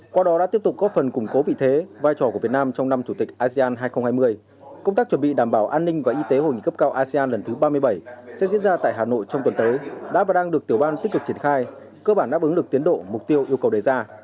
qua đó đã tiếp tục góp phần củng cố vị thế vai trò của việt nam trong năm chủ tịch asean hai nghìn hai mươi công tác chuẩn bị đảm bảo an ninh và y tế hội nghị cấp cao asean lần thứ ba mươi bảy sẽ diễn ra tại hà nội trong tuần tới đã và đang được tiểu ban tích cực triển khai cơ bản đáp ứng được tiến độ mục tiêu yêu cầu đề ra